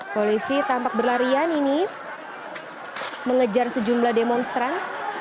polisi tampak berlarian ini mengejar sejumlah demonstran